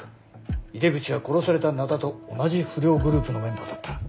井出口は殺された灘と同じ不良グループのメンバーだった。